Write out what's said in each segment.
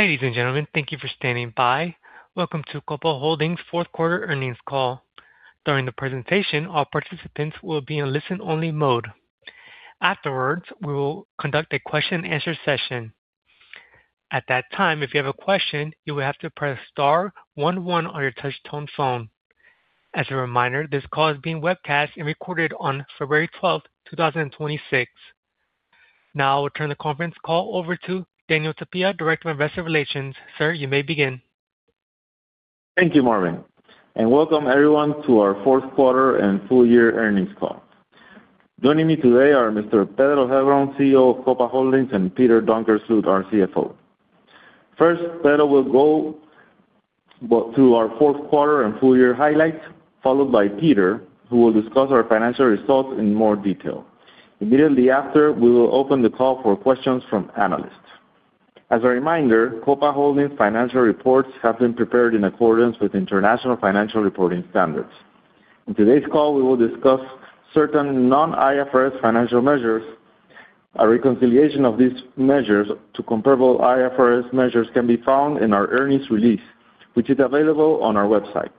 Ladies and gentlemen, thank you for standing by. Welcome to Copa Holdings' Fourth Quarter Earnings Call. During the presentation, all participants will be in listen-only mode. Afterwards, we will conduct a question-and-answer session. At that time, if you have a question, you will have to press star one one on your touchtone phone. As a reminder, this call is being webcast and recorded on February 12, 2026. Now I will turn the conference call over to Daniel Tapia, Director of Investor Relations. Sir, you may begin. Thank you, Marvin, and welcome everyone to our fourth quarter and full year earnings call. Joining me today are Mr. Pedro Heilbron, CEO of Copa Holdings, and Peter Donkersloot, our CFO. First, Pedro will go through our fourth quarter and full year highlights, followed by Peter, who will discuss our financial results in more detail. Immediately after, we will open the call for questions from analysts. As a reminder, Copa Holdings financial reports have been prepared in accordance with International Financial Reporting Standards. In today's call, we will discuss certain non-IFRS financial measures. A reconciliation of these measures to comparable IFRS measures can be found in our earnings release, which is available on our website.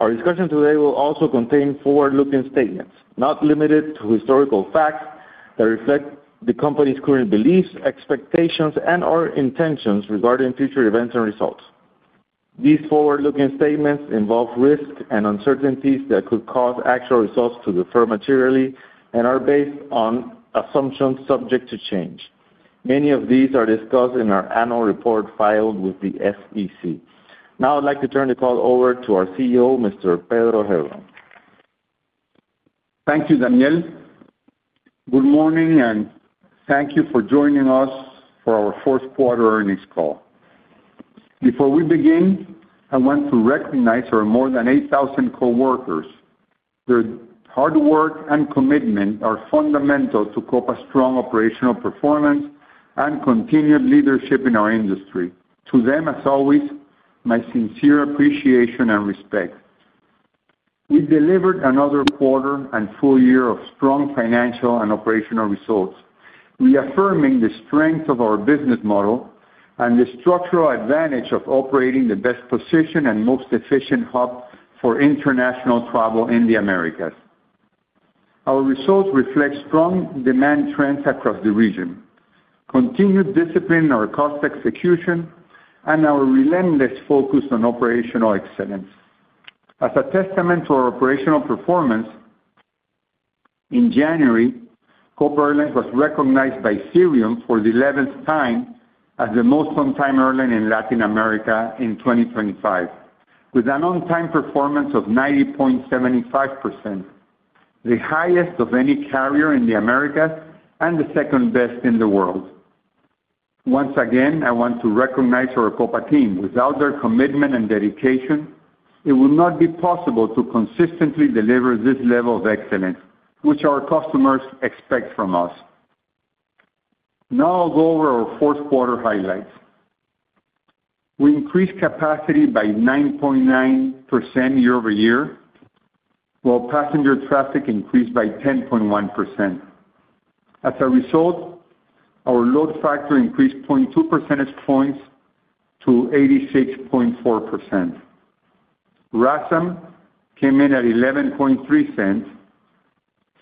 Our discussion today will also contain forward-looking statements, not limited to historical facts, that reflect the company's current beliefs, expectations, and/or intentions regarding future events and results. These forward-looking statements involve risks and uncertainties that could cause actual results to differ materially and are based on assumptions subject to change. Many of these are discussed in our annual report filed with the SEC. Now I'd like to turn the call over to our CEO, Mr. Pedro Heilbron. Thank you, Daniel. Good morning, and thank you for joining us for our fourth quarter earnings call. Before we begin, I want to recognize our more than 8,000 coworkers. Their hard work and commitment are fundamental to Copa's strong operational performance and continued leadership in our industry. To them, as always, my sincere appreciation and respect. We delivered another quarter and full year of strong financial and operational results, reaffirming the strength of our business model and the structural advantage of operating the best-positioned and most efficient hub for international travel in the Americas. Our results reflect strong demand trends across the region, continued discipline in our cost execution, and our relentless focus on operational excellence. As a testament to our operational performance, in January, Copa Airlines was recognized by Cirium for the eleventh time as the most on-time airline in Latin America in 2025, with an on-time performance of 90.75%, the highest of any carrier in the Americas and the second best in the world. Once again, I want to recognize our Copa team. Without their commitment and dedication, it would not be possible to consistently deliver this level of excellence, which our customers expect from us. Now I'll go over our fourth quarter highlights. We increased capacity by 9.9% year-over-year, while passenger traffic increased by 10.1%. As a result, our load factor increased 0.2 percentage points to 86.4%. RASM came in at $0.113,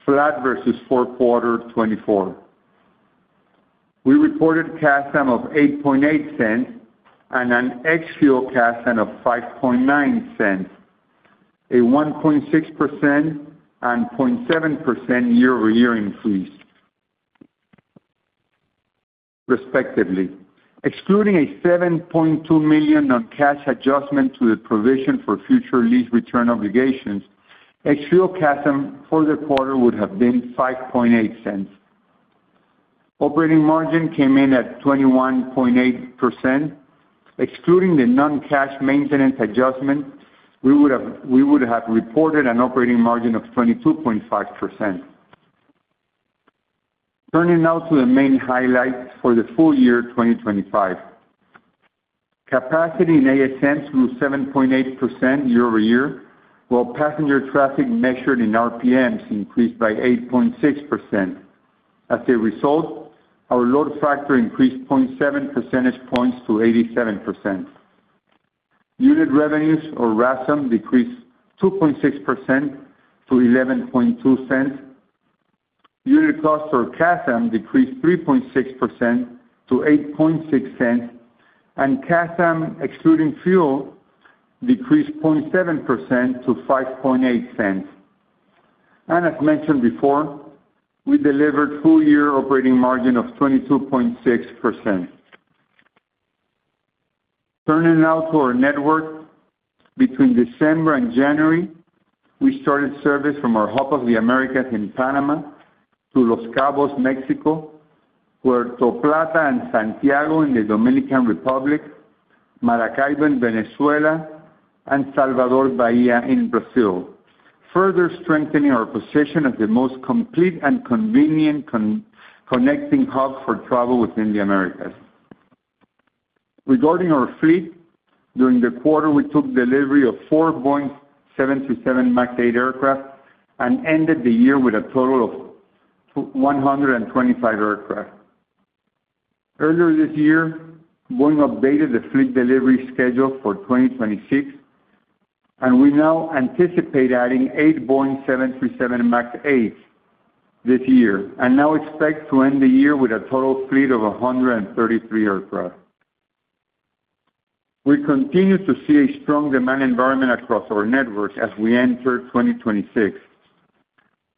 flat versus fourth quarter 2024. We reported CASM of $0.088 and an ex-fuel CASM of $0.059, a 1.6% and 0.7% year-over-year increase, respectively. Excluding a $7.2 million non-cash adjustment to the provision for future lease return obligations, ex-fuel CASM for the quarter would have been $0.058. Operating margin came in at 21.8%. Excluding the non-cash maintenance adjustment, we would have, we would have reported an operating margin of 22.5%. Turning now to the main highlights for the full year 2025. Capacity in ASMs grew 7.8% year-over-year, while passenger traffic measured in RPMs increased by 8.6%. As a result, our load factor increased 0.7 percentage points to 87%. Unit revenues, or RASM, decreased 2.6% to $0.112. Unit costs, or CASM, decreased 3.6% to $8.6, and CASM, excluding fuel, decreased 0.7% to $5.8. As mentioned before, we delivered full-year operating margin of 22.6%. Turning now to our network. Between December and January, we started service from our Hub of the Americas in Panama to Los Cabos, Mexico, Puerto Plata and Santiago in the Dominican Republic, Maracaibo in Venezuela, and Salvador Bahia in Brazil, further strengthening our position as the most complete and convenient connecting hub for travel within the Americas. Regarding our fleet, during the quarter, we took delivery of four Boeing 737 MAX 8 aircraft and ended the year with a total of 125 aircraft. Earlier this year, Boeing updated the fleet delivery schedule for 2026, and we now anticipate adding eight Boeing 737 MAX 8s this year, and now expect to end the year with a total fleet of 133 aircraft. We continue to see a strong demand environment across our networks as we enter 2026.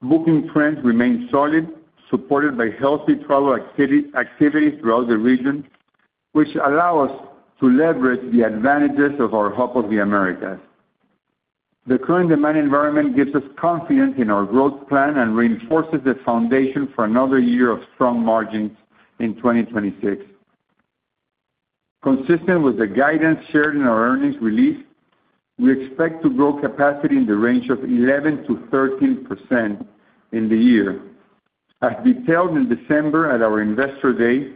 Booking trends remain solid, supported by healthy travel activity, activity throughout the region, which allow us to leverage the advantages of our Hub of the Americas. The current demand environment gives us confidence in our growth plan and reinforces the foundation for another year of strong margins in 2026. Consistent with the guidance shared in our earnings release, we expect to grow capacity in the range of 11%-13% in the year. As detailed in December at our Investor Day,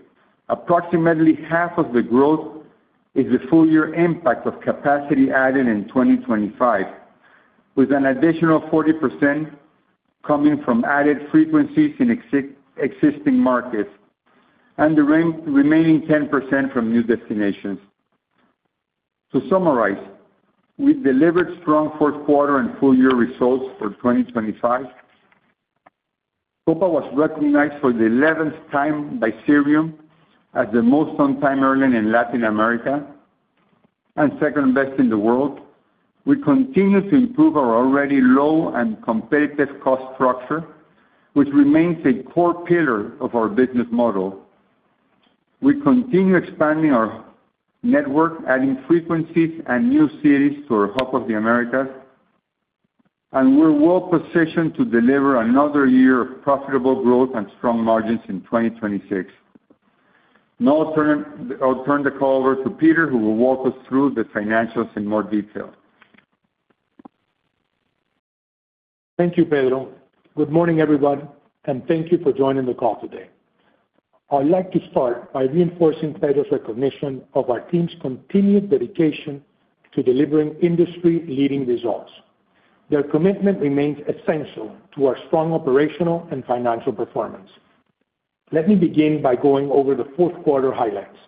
approximately half of the growth is the full year impact of capacity added in 2025, with an additional 40% coming from added frequencies in existing markets, and the remaining 10% from new destinations. To summarize, we delivered strong fourth quarter and full year results for 2025. Copa was recognized for the eleventh time by Cirium as the most on-time airline in Latin America, and second best in the world. We continue to improve our already low and competitive cost structure, which remains a core pillar of our business model. We continue expanding our network, adding frequencies and new cities to our Hub of the Americas, and we're well positioned to deliver another year of profitable growth and strong margins in 2026. Now I'll turn the call over to Peter, who will walk us through the financials in more detail. Thank you, Pedro. Good morning, everyone, and thank you for joining the call today. I'd like to start by reinforcing Pedro's recognition of our team's continued dedication to delivering industry-leading results. Their commitment remains essential to our strong operational and financial performance. Let me begin by going over the fourth quarter highlights.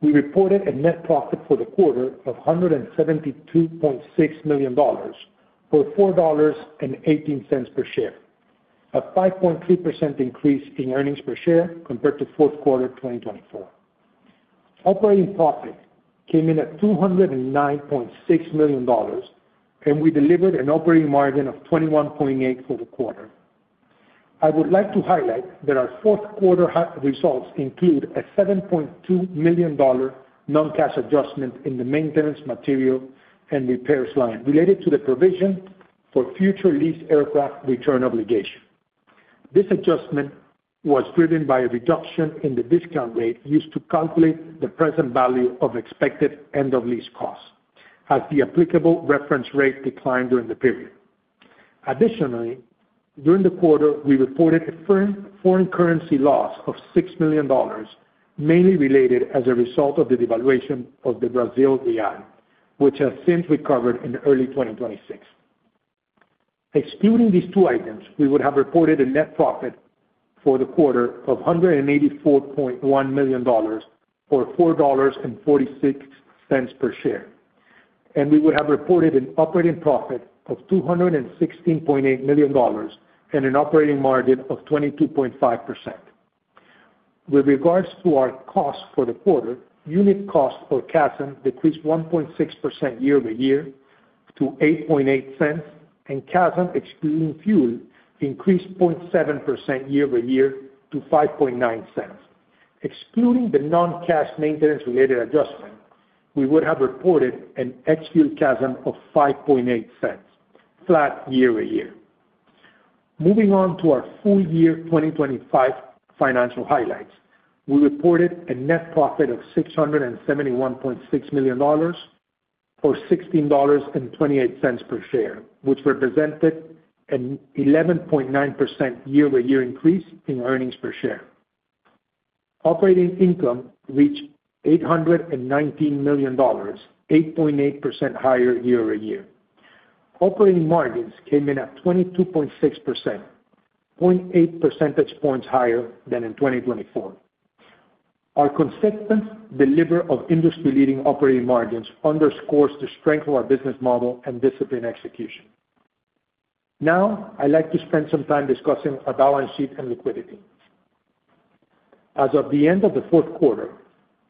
We reported a net profit for the quarter of $172.6 million, or $4.18 per share, a 5.3% increase in earnings per share compared to fourth quarter 2024. Operating profit came in at $209.6 million, and we delivered an operating margin of 21.8% for the quarter. I would like to highlight that our fourth quarter results include a $7.2 million non-cash adjustment in the maintenance, material, and repairs line related to the provision for future leased aircraft return obligation. This adjustment was driven by a reduction in the discount rate used to calculate the present value of expected end-of-lease costs, as the applicable reference rate declined during the period. Additionally, during the quarter, we reported a foreign currency loss of $6 million, mainly related as a result of the devaluation of the Brazilian real, which has since recovered in early 2026. Excluding these two items, we would have reported a net profit for the quarter of $184.1 million, or $4.46 per share, and we would have reported an operating profit of $216.8 million and an operating margin of 22.5%. With regards to our costs for the quarter, unit costs for CASM decreased 1.6% year-over-year to $8.8, and CASM, excluding fuel, increased 0.7% year-over-year to $5.9. Excluding the non-cash maintenance-related adjustment, we would have reported an ex-fuel CASM of $5.8, flat year-over-year. Moving on to our full-year 2025 financial highlights. We reported a net profit of $671.6 million, or $16.28 per share, which represented an 11.9% year-over-year increase in earnings per share. Operating income reached $819 million, 8.8% higher year-over-year. Operating margins came in at 22.6%, 0.8 percentage points higher than in 2024. Our consistent delivery of industry-leading operating margins underscores the strength of our business model and disciplined execution. Now, I'd like to spend some time discussing our balance sheet and liquidity. As of the end of the fourth quarter,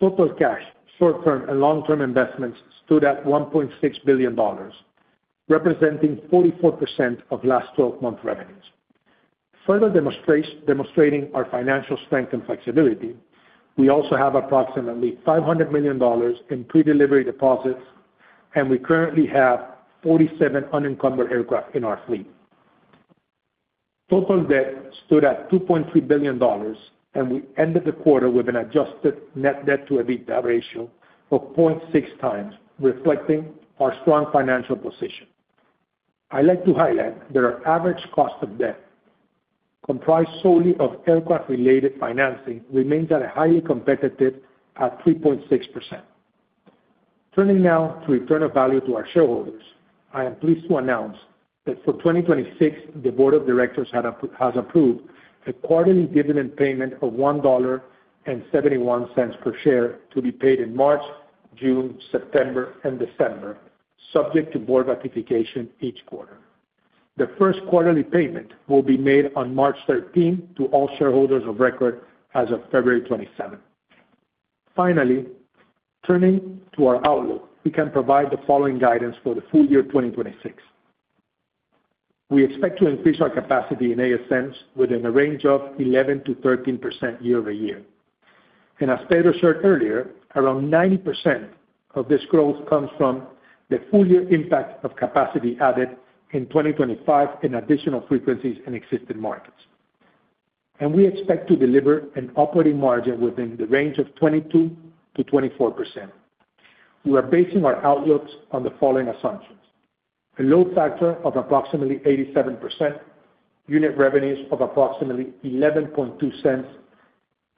total cash, short-term, and long-term investments stood at $1.6 billion, representing 44% of last 12-month revenues. Further demonstrating our financial strength and flexibility, we also have approximately $500 million in pre-delivery deposits, and we currently have 47 unencumbered aircraft in our fleet. Total debt stood at $2.3 billion, and we ended the quarter with an adjusted net debt to EBITDA ratio of 0.6 times, reflecting our strong financial position. I'd like to highlight that our average cost of debt, comprised solely of aircraft-related financing, remains at a highly competitive 3.6%. Turning now to return of value to our shareholders. I am pleased to announce that for 2026, the board of directors has approved a quarterly dividend payment of $1.71 per share, to be paid in March, June, September, and December, subject to board ratification each quarter. The first quarterly payment will be made on March 13 to all shareholders of record as of February 27. Finally, turning to our outlook, we can provide the following guidance for the full year 2026. We expect to increase our capacity in ASMs within a range of 11%-13% year-over-year. As Pedro shared earlier, around 90% of this growth comes from the full year impact of capacity added in 2025, in additional frequencies and existing markets. We expect to deliver an operating margin within the range of 22%-24%. We are basing our outlooks on the following assumptions: a load factor of approximately 87%, unit revenues of approximately $11.2,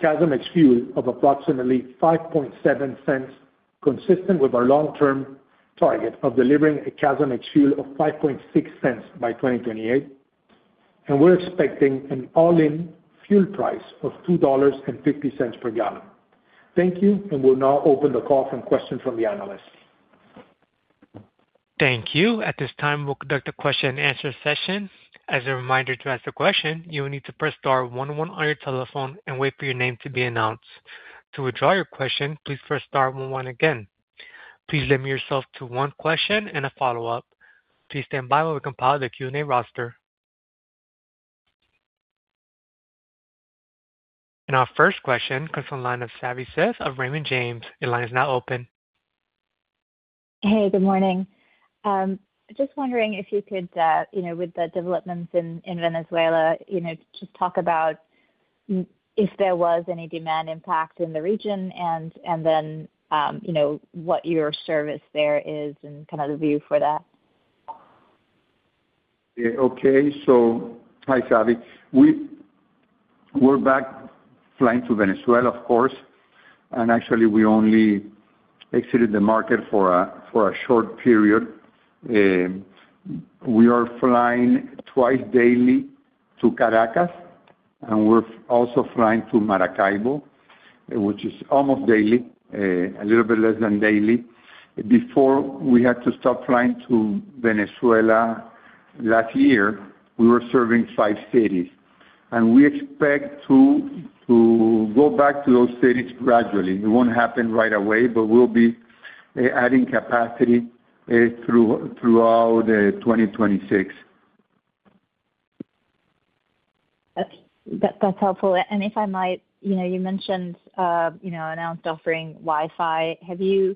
CASM ex fuel of approximately $5.7, consistent with our long-term target of delivering a CASM ex fuel of $5.6 by 2028. We're expecting an all-in fuel price of $2.50 per gallon. Thank you, and we'll now open the call from questions from the analysts. Thank you. At this time, we'll conduct a question-and-answer session. As a reminder, to ask a question, you will need to press star one one on your telephone and wait for your name to be announced. To withdraw your question, please press star one one again. Please limit yourself to one question and a follow-up. Please stand by while we compile the Q&A roster. Our first question comes from the line of Savi Syth of Raymond James. Your line is now open. Hey, good morning. Just wondering if you could, you know, with the developments in Venezuela, you know, just talk about if there was any demand impact in the region, and then, you know, what your service there is and kind of the view for that. Yeah. Okay. So hi, Savi. We're back flying to Venezuela, of course, and actually, we only exited the market for a short period. We are flying twice daily to Caracas, and we're also flying to Maracaibo, which is almost daily, a little bit less than daily. Before we had to stop flying to Venezuela last year, we were serving five cities. We expect to go back to those cities gradually. It won't happen right away, but we'll be adding capacity throughout 2026. That's helpful. And if I might, you know, you mentioned, you know, announced offering Wi-Fi. Have you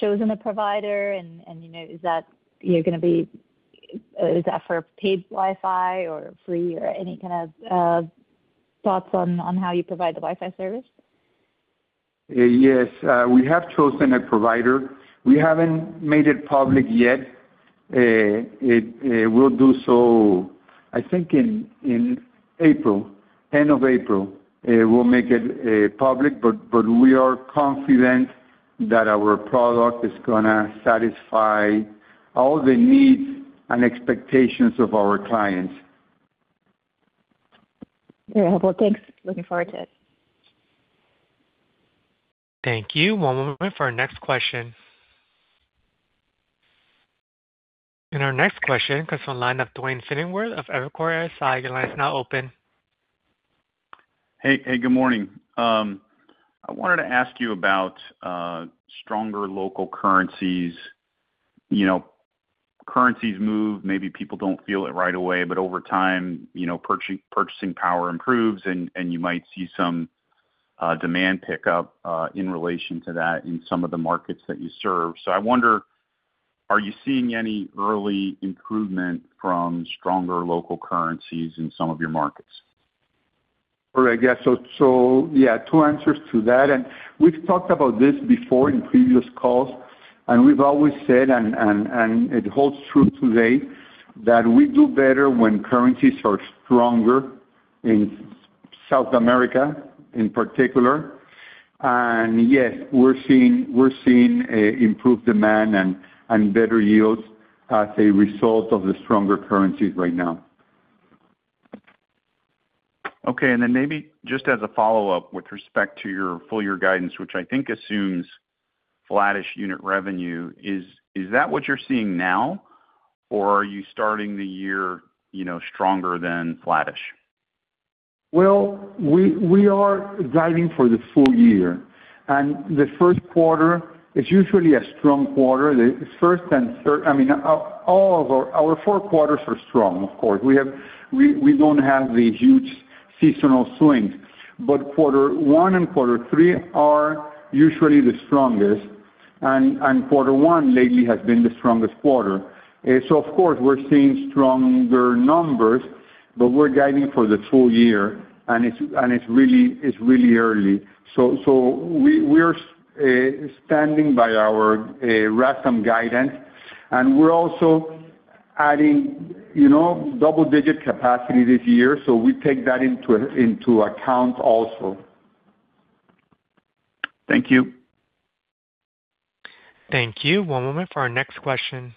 chosen a provider? And you know, is that, you're gonna be, is that for paid Wi-Fi or free, or any kind of thoughts on, on how you provide the Wi-Fi service? Yes, we have chosen a provider. We haven't made it public yet. We'll do so, I think, in April, end of April. We'll make it public. But we are confident that our product is gonna satisfy all the needs and expectations of our clients. Very helpful. Thanks! Looking forward to it. Thank you. One moment for our next question. Our next question comes from the line of Duane Pfennigwerth of Evercore ISI. Your line is now open. Hey, hey, good morning. I wanted to ask you about stronger local currencies. You know, currencies move, maybe people don't feel it right away, but over time, you know, purchasing power improves and you might see some demand pickup in relation to that in some of the markets that you serve. So I wonder, are you seeing any early improvement from stronger local currencies in some of your markets? Sure, I guess so. So, yeah, two answers to that, and we've talked about this before in previous calls, and we've always said, and it holds true today, that we do better when currencies are stronger in South America, in particular. And yes, we're seeing improved demand and better yields as a result of the stronger currencies right now. Okay, and then maybe just as a follow-up, with respect to your full year guidance, which I think assumes flattish unit revenue, is, is that what you're seeing now, or are you starting the year, you know, stronger than flattish? Well, we are guiding for the full year, and the first quarter is usually a strong quarter. The first and third—I mean, all of our four quarters are strong, of course. We have—we don't have the huge seasonal swings, but quarter one and quarter three are usually the strongest, and quarter one lately has been the strongest quarter. So of course, we're seeing stronger numbers. But we're guiding for the full year, and it's really early. So we are standing by our RASM guidance, and we're also adding, you know, double digit capacity this year, so we take that into account also. Thank you. Thank you. One moment for our next question.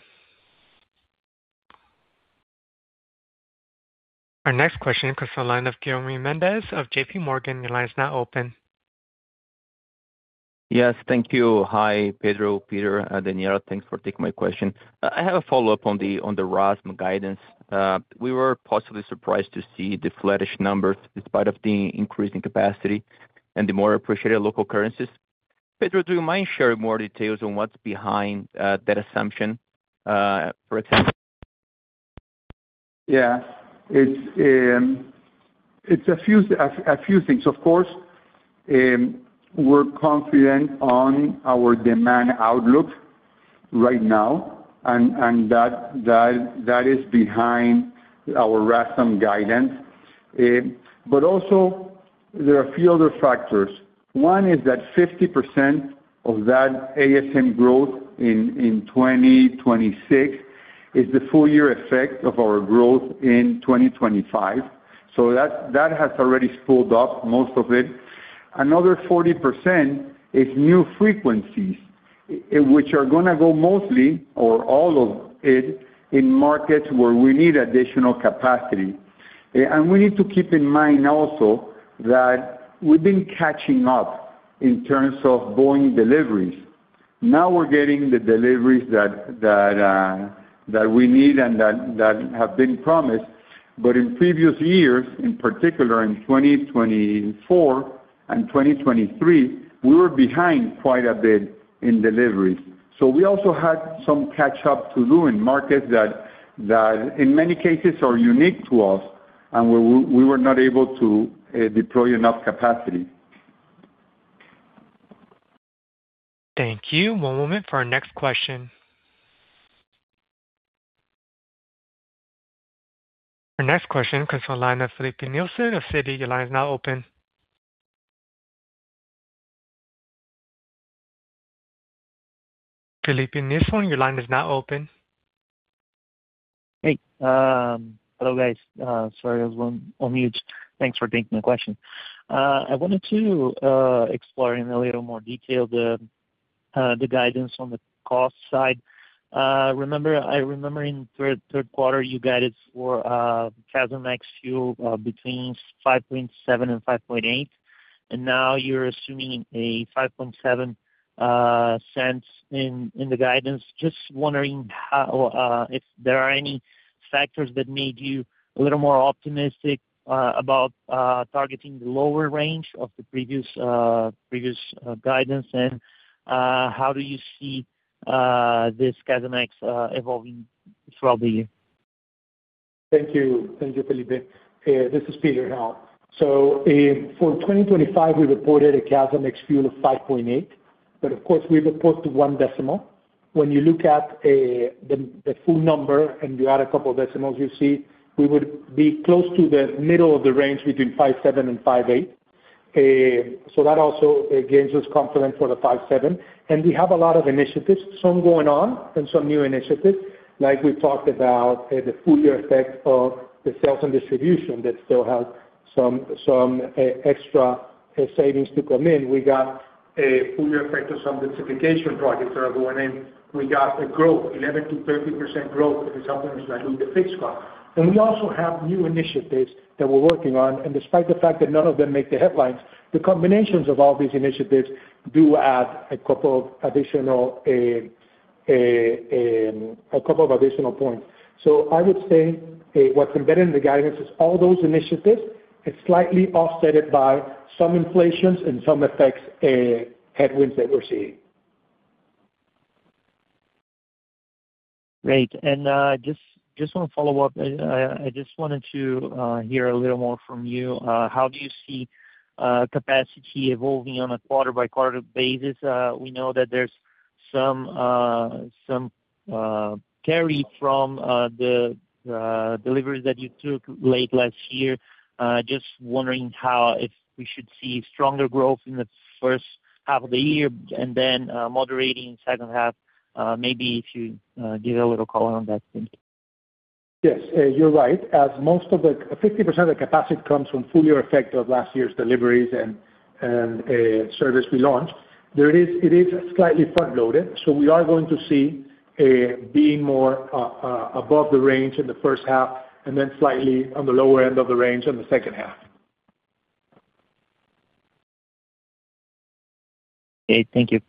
Our next question comes from the line of Guilherme Mendes of J.P. Morgan. Your line is now open. Yes, thank you. Hi, Pedro, Peter, and Daniel. Thanks for taking my question. I have a follow-up on the RASM guidance. We were possibly surprised to see the flattish numbers despite of the increase in capacity and the more appreciated local currencies. Pedro, do you mind sharing more details on what's behind that assumption, for example? Yeah. It's a few things. Of course, we're confident on our demand outlook right now, and that is behind our RASM guidance. But also there are a few other factors. One is that 50% of that ASM growth in 2026 is the full year effect of our growth in 2025. So that has already spooled up most of it. Another 40% is new frequencies, which are gonna go mostly or all of it, in markets where we need additional capacity. And we need to keep in mind also that we've been catching up in terms of Boeing deliveries. Now we're getting the deliveries that we need and that have been promised. But in previous years, in particular in 2024 and 2023, we were behind quite a bit in deliveries. So we also had some catch up to do in markets that in many cases are unique to us, and we were not able to deploy enough capacity. Thank you. One moment for our next question. Our next question comes from the line of Filipe Nielsen of Citi. Your line is now open. Felipe Nielsen, your line is now open. Hey, hello, guys. Sorry, I was on mute. Thanks for taking my question. I wanted to explore in a little more detail the guidance on the cost side. I remember in third quarter, you guided for CASM ex-fuel between $5.7-$5.8, and now you're assuming $5.7 in the guidance. Just wondering how, if there are any factors that made you a little more optimistic about targeting the lower range of the previous guidance? And how do you see this CASM ex evolving throughout the year? Thank you. Thank you, Filipe. This is Peter now. So, for 2025, we reported a CASM ex-fuel of 5.8, but of course, we report to one decimal. When you look at the full number and you add a couple decimals, you see we would be close to the middle of the range between 5.7 and 5.8. So that also gives us confidence for the 5.7. And we have a lot of initiatives, some going on and some new initiatives, like we talked about, the full year effect of the sales and distribution that still have some extra savings to come in. We got a full year effect of some densification projects that are going in. We got a growth, 11%-13% growth in the supplements, like the fixed cost. We also have new initiatives that we're working on, and despite the fact that none of them make the headlines, the combinations of all these initiatives do add a couple of additional, a couple of additional points. I would say, what's embedded in the guidance is all those initiatives. It's slightly offset by some inflations and some effects, headwinds that we're seeing. Great. And, just want to follow up. I just wanted to hear a little more from you. How do you see capacity evolving on a quarter-by-quarter basis? We know that there's some carry from the deliveries that you took late last year. Just wondering how if we should see stronger growth in the first half of the year and then moderating in second half. Maybe if you give a little color on that thing. Yes, you're right. As most of the 50% of the capacity comes from full year effect of last year's deliveries and service we launched. There it is, it is slightly front-loaded, so we are going to see being more above the range in the first half and then slightly on the lower end of the range in the second half. Okay. Thank you.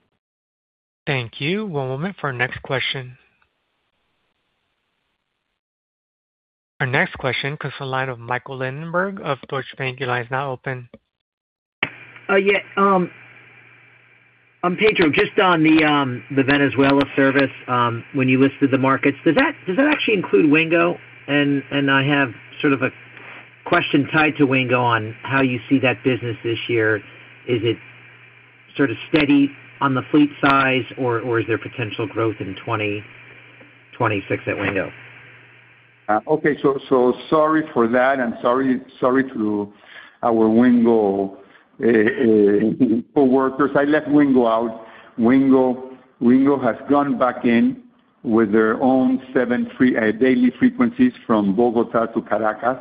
Thank you. One moment for our next question. Our next question comes from the line of Michael Linenberg of Deutsche Bank. Your line is now open. Yeah, Pedro, just on the Venezuela service, when you listed the markets, does that actually include Wingo? And I have sort of a question tied to Wingo on how you see that business this year. Is it sort of steady on the fleet size, or, or is there potential growth in 2026 at Wingo? Okay. So, so sorry for that, and sorry, sorry to our Wingo coworkers. I left Wingo out. Wingo, Wingo has gone back in with their own seven free daily frequencies from Bogotá to Caracas,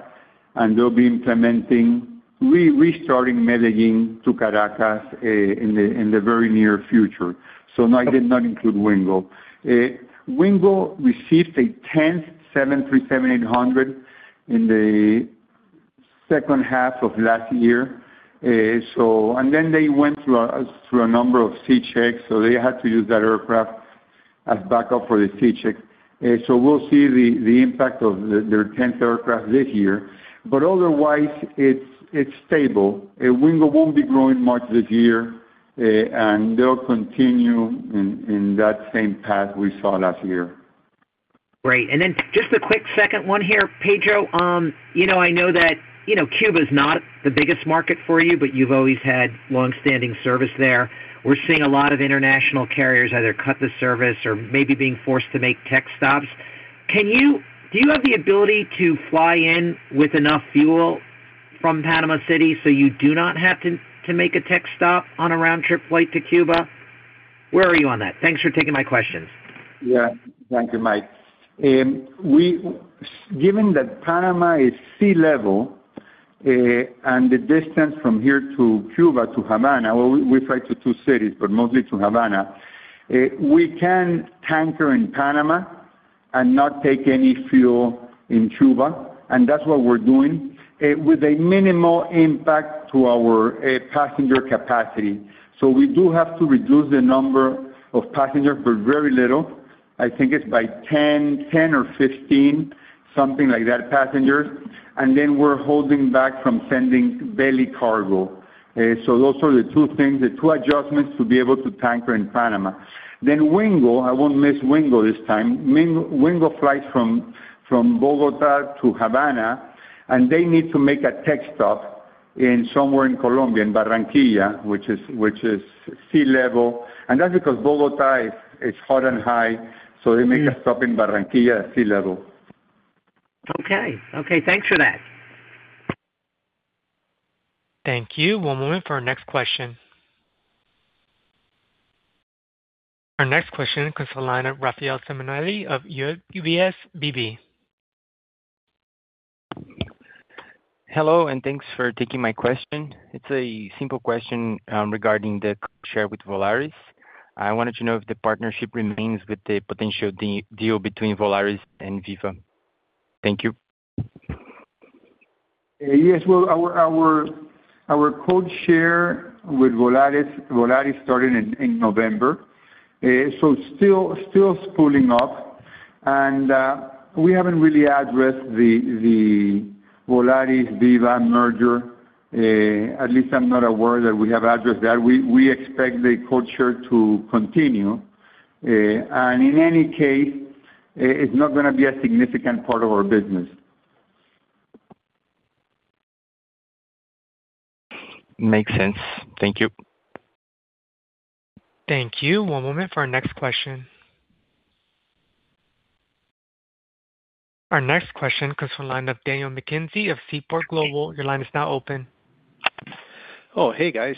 and they'll be implementing restarting Medellín to Caracas in the very near future. So no, I did not include Wingo. Wingo received a 10th 737-800 in the second half of last year. So, and then they went through a number of C checks, so they had to use that aircraft as backup for the C checks. So we'll see the impact of their 10th aircraft this year. But otherwise, it's stable, and Wingo won't be growing much this year, and they'll continue in that same path we saw last year. Great. And then just a quick second one here, Pedro. You know, I know that, you know, Cuba is not the biggest market for you, but you've always had long-standing service there. We're seeing a lot of international carriers either cut the service or maybe being forced to make tech stops. Can you, do you have the ability to fly in with enough fuel from Panama City so you do not have to make a tech stop on a round-trip flight to Cuba? Where are you on that? Thanks for taking my questions. Yeah. Thank you, Mike. Given that Panama is sea level, and the distance from here to Cuba, to Havana, well, we fly to two cities, but mostly to Havana. We can tanker in Panama and not take any fuel in Cuba, and that's what we're doing, with a minimal impact to our passenger capacity. So we do have to reduce the number of passengers, but very little. I think it's by 10 or 15, something like that, passengers. And then we're holding back from sending belly cargo. So those are the two things, the two adjustments to be able to tanker in Panama. Then Wingo, I won't miss Wingo this time. Wingo flies from Bogotá to Havana, and they need to make a tech stop in somewhere in Colombia, in Barranquilla, which is sea level, and that's because Bogotá is hot and high, so they make a stop in Barranquilla at sea level. Okay. Okay, thanks for that. Thank you. One moment for our next question. Our next question comes from the line of Rafael Simonetti of UBS BB. Hello, and thanks for taking my question. It's a simple question regarding the codeshare with Volaris. I wanted to know if the partnership remains with the potential deal between Volaris and Viva. Thank you. Yes, well, our codeshare with Volaris started in November. So still spooling up, and we haven't really addressed the Volaris-Viva merger. At least I'm not aware that we have addressed that. We expect the codeshare to continue. And in any case, it's not gonna be a significant part of our business. Makes sense. Thank you. Thank you. One moment for our next question. Our next question comes from the line of Daniel McKenzie of Seaport Global. Your line is now open. Oh, hey, guys.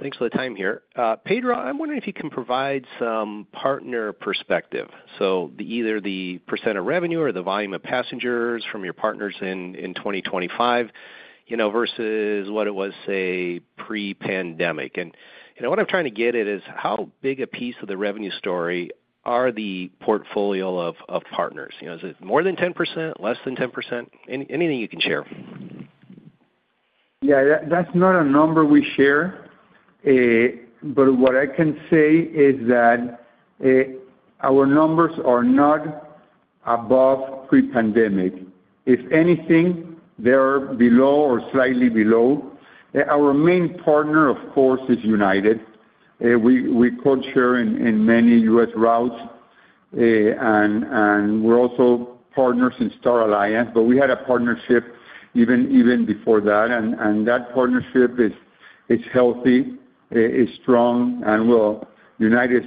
Thanks for the time here. Pedro, I'm wondering if you can provide some partner perspective. So either the percent of revenue or the volume of passengers from your partners in, in 2025, you know, versus what it was, say, pre-pandemic. And, you know, what I'm trying to get at is how big a piece of the revenue story are the portfolio of, of partners? You know, is it more than 10%, less than 10%? Anything you can share. Yeah, that, that's not a number we share. But what I can say is that, our numbers are not above pre-pandemic. If anything, they are below or slightly below. Our main partner, of course, is United. We codeshare in many U.S. routes, and we're also partners in Star Alliance, but we had a partnership even before that, and that partnership is healthy, is strong, and well, United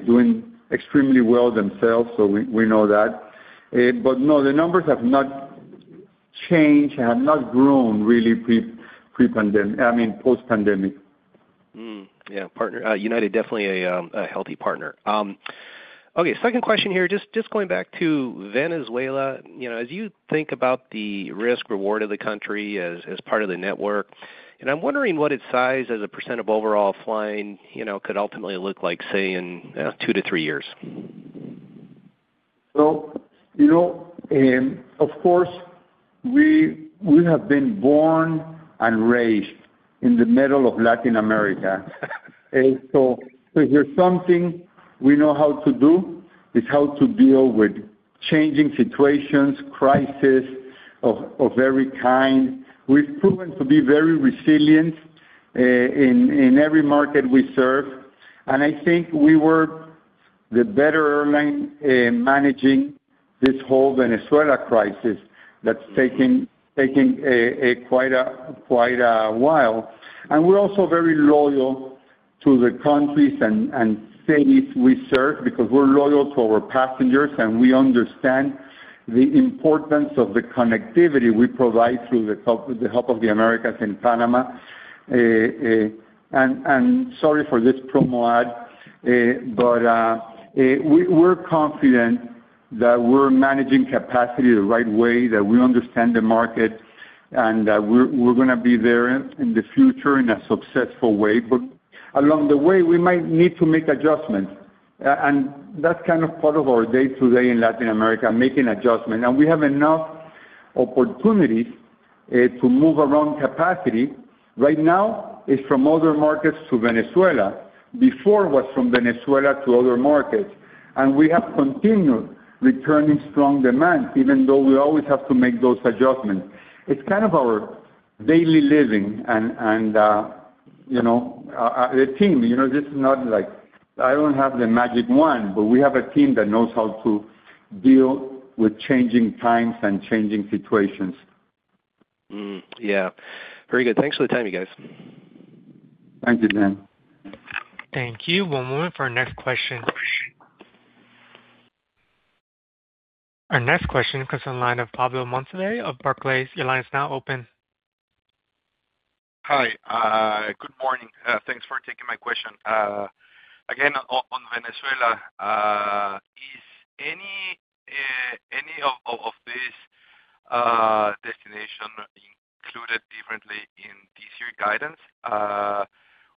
is doing extremely well themselves, so we know that. But no, the numbers have not changed and have not grown really pre-pandemic. I mean, post-pandemic. Yeah, partner, United, definitely a healthy partner. Okay, second question here. Just going back to Venezuela. You know, as you think about the risk-reward of the country as part of the network, and I'm wondering what its size as a precent of overall flying, you know, could ultimately look like, say, in two to three years. So, you know, of course, we have been born and raised in the middle of Latin America. And so if there's something we know how to do is how to deal with changing situations, crisis of every kind. We've proven to be very resilient in every market we serve, and I think the better airline in managing this whole Venezuela crisis that's taking quite a while. And we're also very loyal to the countries and cities we serve, because we're loyal to our passengers, and we understand the importance of the connectivity we provide through the Hub of the Americas in Panama. And sorry for this promo ad, but we're confident that we're managing capacity the right way, that we understand the market, and we're gonna be there in the future in a successful way. But along the way, we might need to make adjustments, and that's kind of part of our day-to-day in Latin America, making adjustment. And we have enough opportunities to move around capacity. Right now, it's from other markets to Venezuela. Before, it was from Venezuela to other markets, and we have continued returning strong demand, even though we always have to make those adjustments. It's kind of our daily living and you know, the team, you know, this is not like I don't have the magic wand, but we have a team that knows how to deal with changing times and changing situations. Yeah. Very good. Thanks for the time, you guys. Thank you, Dan. Thank you. One moment for our next question. Our next question comes on the line of Pablo Monsivais of Barclays. Your line is now open. Hi, good morning. Thanks for taking my question. Again, on Venezuela, is any of this destination included differently in this year guidance,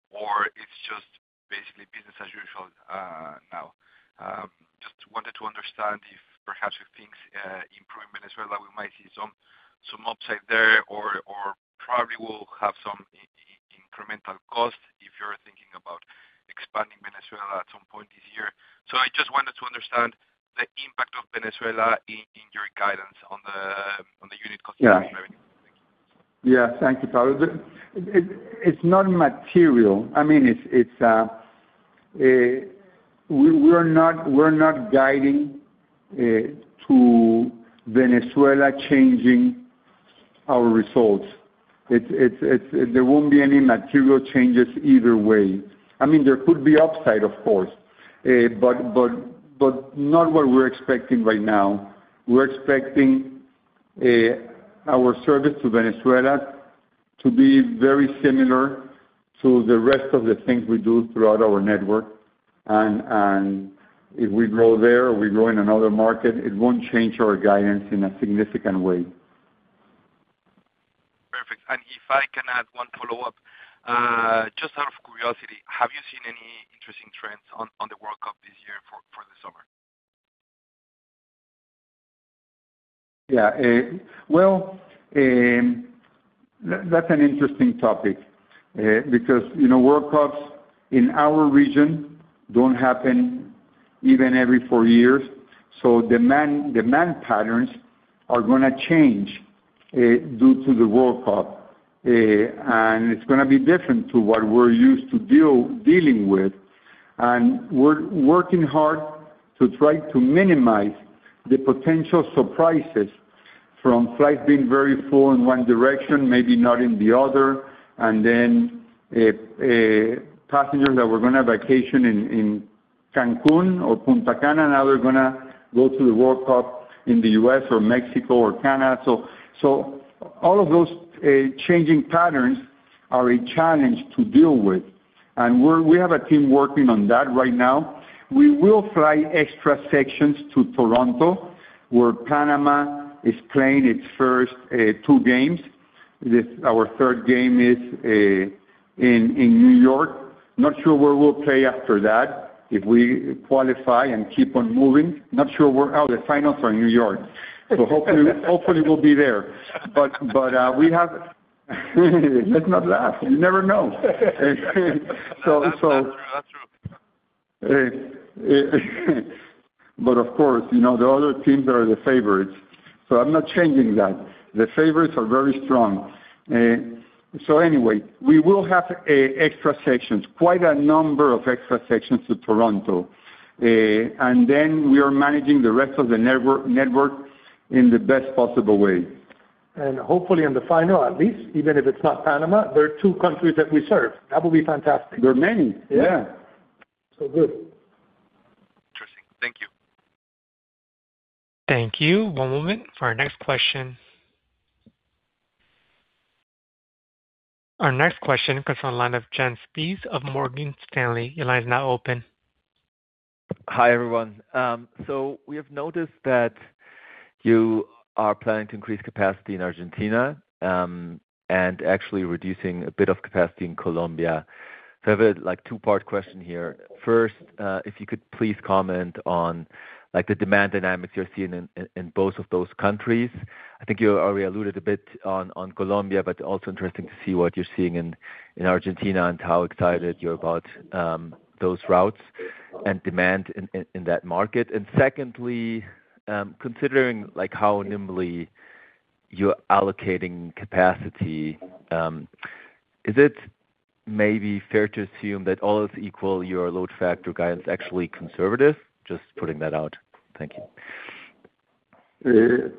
or it's just basically business as usual, now? Just wanted to understand if perhaps if things improve in Venezuela, we might see some upside there, or probably will have some incremental costs if you're thinking about expanding Venezuela at some point this year. So I just wanted to understand the impact of Venezuela in your guidance on the unit cost trajectory. Yeah. Thank you, Pablo. But it's not material. I mean, we're not guiding to Venezuela changing our results. There won't be any material changes either way. I mean, there could be upside, of course, but not what we're expecting right now. We're expecting our service to Venezuela to be very similar to the rest of the things we do throughout our network. If we grow there, or we grow in another market, it won't change our guidance in a significant way. Perfect. And if I can add one follow-up, just out of curiosity, have you seen any interesting trends on the World Cup this year for the summer? Yeah. Well, that's an interesting topic, because, you know, World Cups in our region don't happen even every four years, so demand patterns are gonna change due to the World Cup. And it's gonna be different to what we're used to dealing with, and we're working hard to try to minimize the potential surprises from flights being very full in one direction, maybe not in the other, and then passengers that were gonna vacation in Cancún or Punta Cana, now they're gonna go to the World Cup in the US or Mexico or Canada. So all of those changing patterns are a challenge to deal with, and we have a team working on that right now. We will fly extra sections to Toronto, where Panama is playing its first two games. This, our third game is in New York. Not sure where we'll play after that. If we qualify and keep on moving, not sure where... Oh, the finals are in New York. So hopefully, hopefully, we'll be there. But, but, we have, let's not laugh! You never know. That's true, that's true. But of course, you know, the other teams are the favorites, so I'm not changing that. The favorites are very strong. So anyway, we will have extra sections, quite a number of extra sections to Toronto. And then we are managing the rest of the network in the best possible way. Hopefully in the final, at least, even if it's not Panama, there are two countries that we serve. That would be fantastic. There are many. Yeah. So, good. Interesting. Thank you. Thank you. One moment for our next question. Our next question comes on the line of Jens Spiess of Morgan Stanley. Your line is now open. Hi, everyone. So we have noticed that you are planning to increase capacity in Argentina, and actually reducing a bit of capacity in Colombia. So I have, like, two-part question here. First, if you could please comment on, like, the demand dynamics you're seeing in both of those countries. I think you already alluded a bit on Colombia, but also interesting to see what you're seeing in Argentina and how excited you're about those routes and demand in that market. And secondly, considering, like, how nimbly you're allocating capacity, is it maybe fair to assume that all is equal, your load factor guidance actually conservative? Just putting that out. Thank you.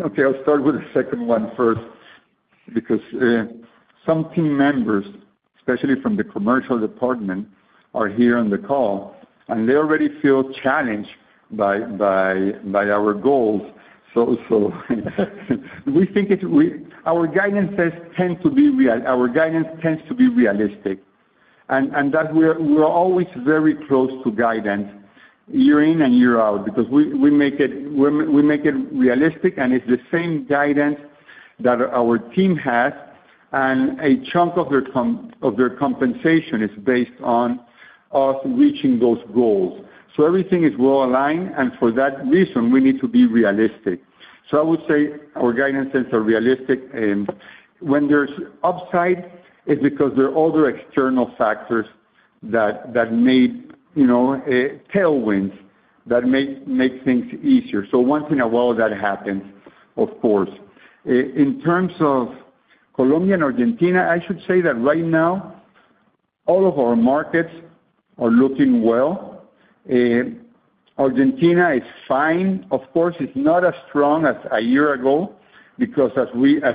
Okay, I'll start with the second one first, because some team members, especially from the commercial department, are here on the call, and they already feel challenged by our goals. So we think it, our guidances tend to be real. Our guidance tends to be realistic, and that we are always very close to guidance year in and year out, because we make it realistic, and it's the same guidance that our team has, and a chunk of their compensation is based on us reaching those goals. So everything is well aligned, and for that reason, we need to be realistic. So I would say our guidances are realistic, and when there's upside, it's because there are other external factors that may, you know, tailwinds, that make things easier. So once in a while, that happens, of course. In terms of Colombia and Argentina, I should say that right now, all of our markets are looking well. Argentina is fine. Of course, it's not as strong as a year ago, because as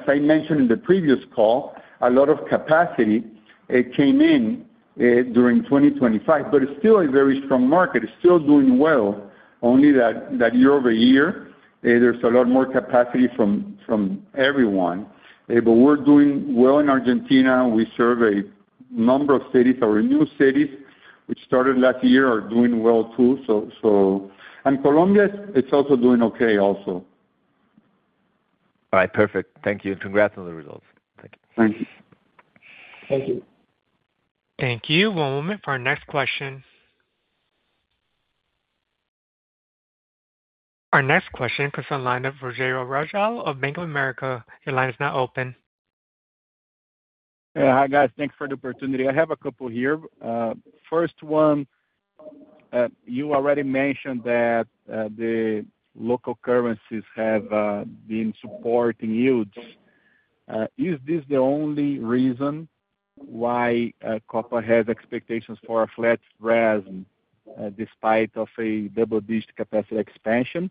I mentioned in the previous call, a lot of capacity, it came in during 2025, but it's still a very strong market. It's still doing well, only that year-over-year, there's a lot more capacity from everyone. But we're doing well in Argentina. We serve a number of cities, our new cities, which started last year, are doing well too. So, so... Colombia, it's also doing okay, also. All right, perfect. Thank you. Congrats on the results. Thank you. Thank you. Thank you. One moment for our next question. Our next question comes on the line of Rogerio Araujo of Bank of America. Your line is now open. Yeah. Hi, guys. Thanks for the opportunity. I have a couple here. First one, you already mentioned that, the local currencies have been supporting yields. Is this the only reason why, Copa has expectations for a flat RASM, despite of a double-digit capacity expansion?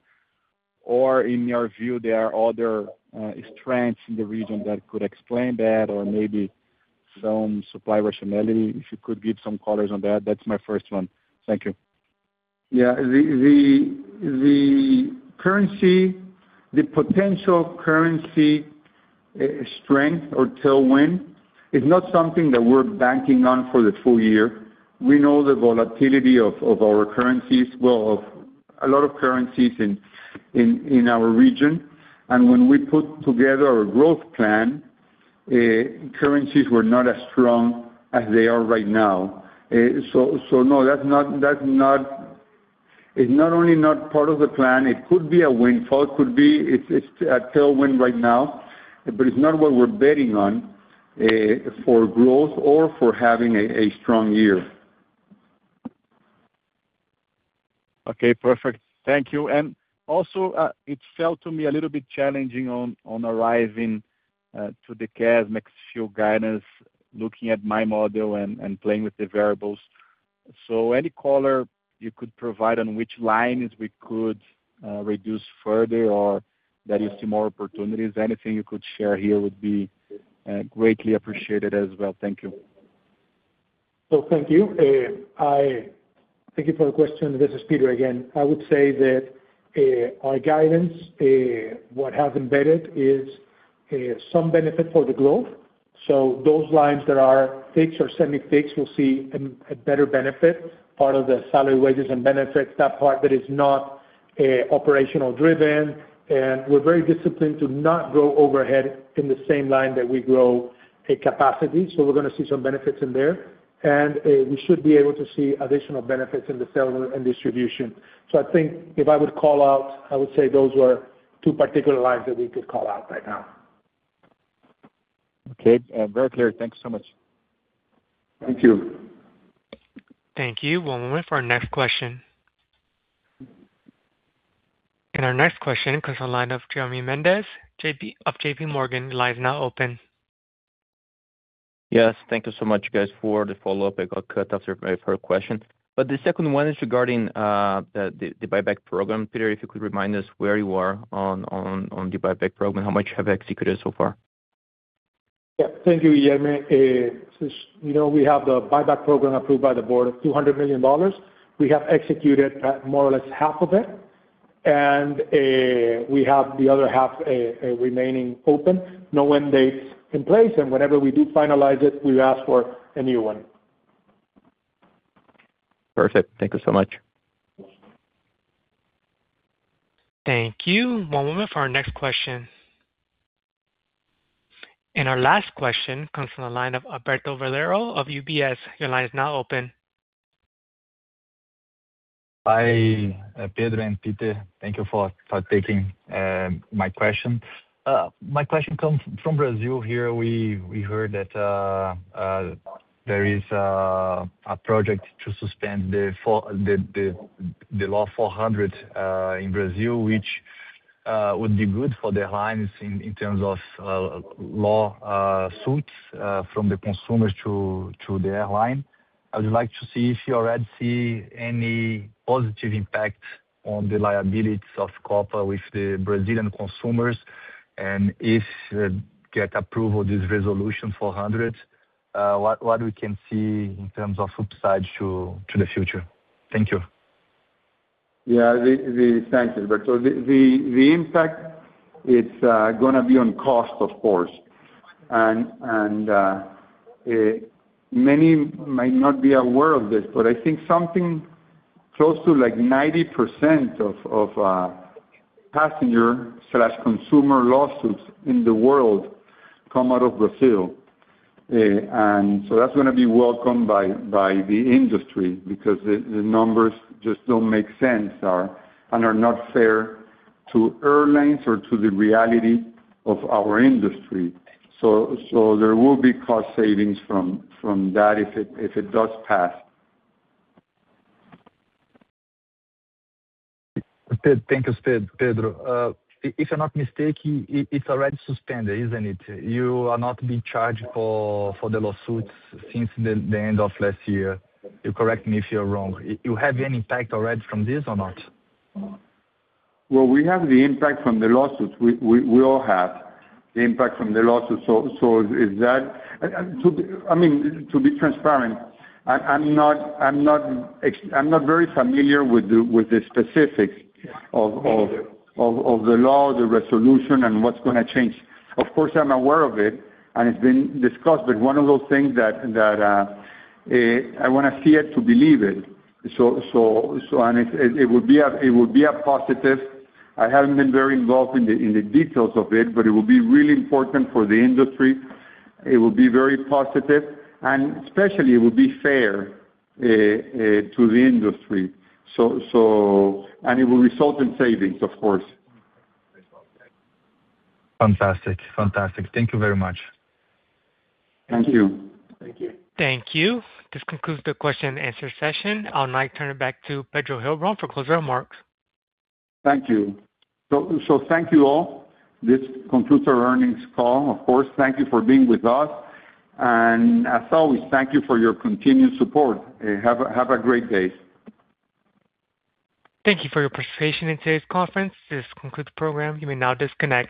Or in your view, there are other, strengths in the region that could explain that, or maybe some supply rationality, if you could give some colors on that. That's my first one. Thank you. Yeah, the currency, the potential currency strength or tailwind, is not something that we're banking on for the full year. We know the volatility of our currencies well, of a lot of currencies in our region, and when we put together our growth plan, currencies were not as strong as they are right now. So, no, that's not... It's not only not part of the plan, it could be a windfall, it could be, it's a tailwind right now, but it's not what we're betting on for growth or for having a strong year. Okay, perfect. Thank you. And also, it felt to me a little bit challenging on, on arriving, to the CASM ex-fuel guidance, looking at my model and, and playing with the variables. So any color you could provide on which lines we could, reduce further or that you see more opportunities? Anything you could share here would be, greatly appreciated as well. Thank you. Well, thank you. I thank you for the question. This is Pedro again. I would say that, our guidance, what has embedded is, some benefit for the global. So those lines that are fixed or semi-fixed will see a better benefit, part of the salary, wages and benefits, that part that is not operational driven. And we're very disciplined to not grow overhead in the same line that we grow a capacity. So we're gonna see some benefits in there, and, we should be able to see additional benefits in the sale and distribution. So I think if I would call out, I would say those were two particular lines that we could call out right now. Okay. Very clear. Thank you so much. Thank you. Thank you. One moment for our next question. Our next question comes on the line of Guilhereme Mendes of J.P. Morgan. The line is now open. Yes, thank you so much, guys, for the follow-up. I got cut off my first question. The second one is regarding the buyback program. Pedro, if you could remind us where you are on the buyback program, how much have you executed so far? Yeah. Thank you, Guilhereme. Since, you know, we have the buyback program approved by the board of $200 million, we have executed at more or less half of it, and we have the other half remaining open, no end dates in place, and whenever we do finalize it, we ask for a new one. Perfect. Thank you so much. Thank you. One moment for our next question. And our last question comes from the line of Alberto Valerio of UBS. Your line is now open. Hi, Pedro and Peter. Thank you for taking my question. My question comes from Brazil. Here we heard that there is a project to suspend the Law 400 in Brazil, which- It would be good for the airlines in terms of lawsuits from the consumers to the airline. I would like to see if you already see any positive impact on the liabilities of Copa with the Brazilian consumers, and if get approval this Resolution 400, what we can see in terms of upside to the future? Thank you. Yeah, thank you, Roberto. So the impact is gonna be on cost, of course. Many might not be aware of this, but I think something close to, like, 90% of passenger/consumer lawsuits in the world come out of Brazil. And so that's gonna be welcomed by the industry, because the numbers just don't make sense and are not fair to airlines or to the reality of our industry. So there will be cost savings from that, if it does pass. Thank you, Pedro. If I'm not mistaken, it's already suspended, isn't it? You are not being charged for the lawsuits since the end of last year. You correct me if I'm wrong. You have any impact already from this or not? Well, we have the impact from the lawsuits. We all have the impact from the lawsuits. So is that... I mean, to be transparent, I'm not very familiar with the specifics of, Me neither. of the law, the resolution, and what's gonna change. Of course, I'm aware of it, and it's been discussed, but one of those things that I wanna see it to believe it. So and it would be a positive. I haven't been very involved in the details of it, but it will be really important for the industry. It will be very positive, and especially, it will be fair to the industry. So... And it will result in savings, of course. Fantastic. Fantastic. Thank you very much. Thank you. Thank you. Thank you. This concludes the question and answer session. I'll now turn it back to Pedro Heilbron for closing remarks. Thank you. So, thank you, all. This concludes our earnings call. Of course, thank you for being with us, and as always, thank you for your continued support, and have a great day. Thank you for your participation in today's conference. This concludes the program. You may now disconnect.